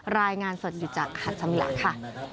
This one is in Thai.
รายงานสดจากหัดสมิลาค่ะ